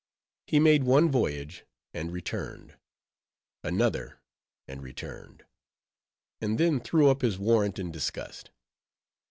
He made one voyage, and returned; another, and returned; and then threw up his warrant in disgust.